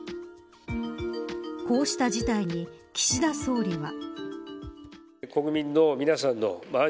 こうした事態に、岸田総理は。